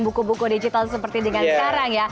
buku buku digital seperti dengan sekarang ya